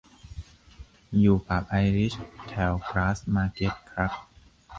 อยู่ผับไอริชแถวกราสมาร์เก็ตครับ